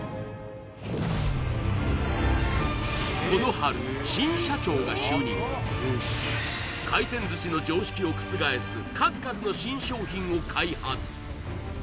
この春回転寿司の常識を覆す数々の新商品を開発